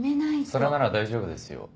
それなら大丈夫ですよ。